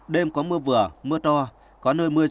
đêm có mưa vừa mưa to có nơi trên hai mươi sáu độ c